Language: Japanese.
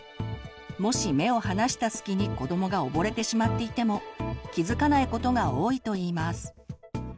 もし目を離した隙に子どもが溺れてしまっていても気付かないことが多いといいます。